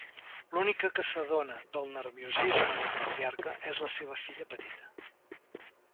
L'única que s'adona del nerviosisme del patriarca és la seva filla petita.